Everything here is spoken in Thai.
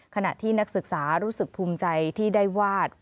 ขณะที่นักศึกษารู้สึกภูมิใจที่ได้วาด